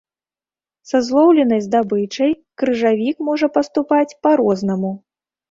Са злоўленай здабычай крыжавік можа паступаць па-рознаму.